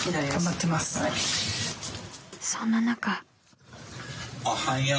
［そんな中］